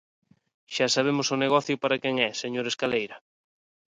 Xa sabemos o negocio para quen é, señor Escaleira.